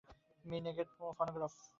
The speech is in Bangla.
মি লেগেট তোমার ফনোগ্রাফের কথা বলছিলেন।